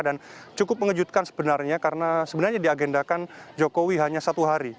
dan cukup mengejutkan sebenarnya karena sebenarnya diagendakan jokowi hanya satu hari